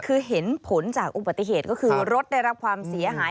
คือเห็นผลจากอุบัติเหตุก็คือรถได้รับความเสียหาย